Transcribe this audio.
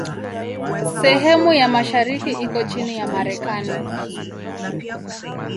Sehemu ya mashariki iko chini ya Marekani.